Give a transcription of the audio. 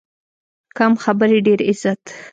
کم خبرې، ډېر عزت.